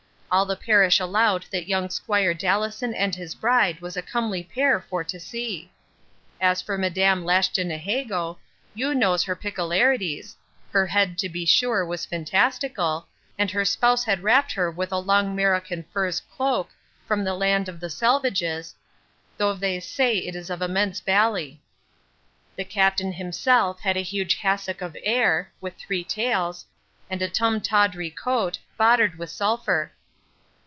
All the parish allowed that young 'squire Dallison and his bride was a comely pear for to see. As for madam Lashtniheygo, you nose her picklearities her head, to be sure, was fintastical; and her spouse had rapt her with a long marokin furze cloak from the land of the selvidges, thof they say it is of immense bally. The captain himself had a huge hassock of air, with three tails, and a tum tawdry coat, boddered with sulfur.